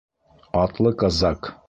«Атлы казак!»